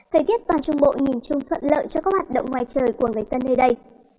thời tiết toàn trung bộ nhìn chung thuận lợi cho các hoạt động ngoài trời của người dân nơi đây